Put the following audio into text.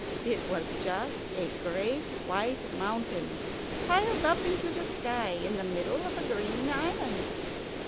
It was just a great white mountain piled up into the sky in the middle of a green island.